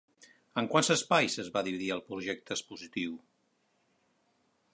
En quants espais es va dividir el projecte expositiu?